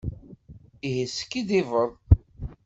Ihi teskiddibeḍ!